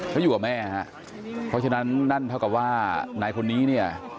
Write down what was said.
เขาอยู่กับแม่ฮะเพราะฉะนั้นนั่นเท่ากับว่านายคนนี้เนี่ย